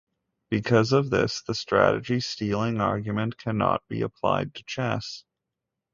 Because of this, the strategy-stealing argument cannot be applied to chess.